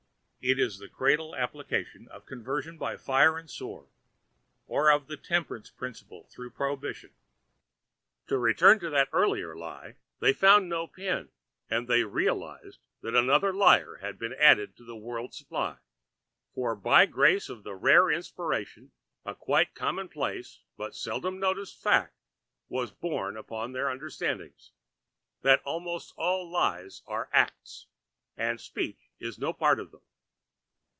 It is the cradle application of conversion by fire and sword, or of the temperance principle through prohibition. To return to that early lie. They found no pin and they realised that another liar had been added to the world's supply. For by grace of a rare inspiration a quite commonplace but seldom noticed fact was borne in upon their understandings—that almost all lies are acts, and speech has no part in them.